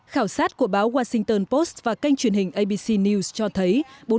khảo sát của báo washington post và kênh truyền hình abc news cho thấy